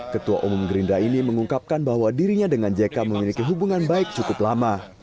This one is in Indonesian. ketua umum gerindra ini mengungkapkan bahwa dirinya dengan jk memiliki hubungan baik cukup lama